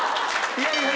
いやいや。